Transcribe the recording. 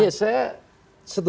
ya saya setuju